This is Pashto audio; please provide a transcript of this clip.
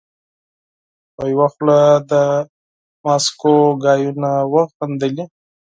په یوه خوله د ماسکو خبرې وغندلې.